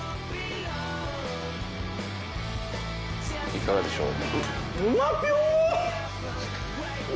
いかがでしょう？